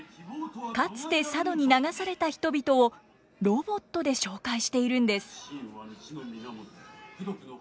かつて佐渡に流された人々をロボットで紹介しているんです。